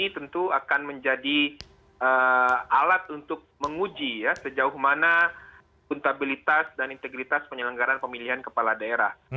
tentu akan menjadi alat untuk menguji sejauh mana kuntabilitas dan integritas penyelenggaran pemilihan kepala daerah